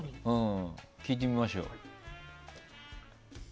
聞いてみましょう。